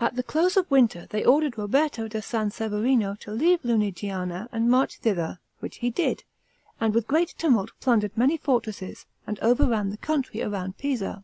At the close of winter they ordered Roberto da San Severino to leave Lunigiana and march thither, which he did, and with great tumult plundered many fortresses, and overran the country around Pisa.